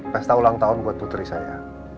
pesta ulang tahun buat putri saya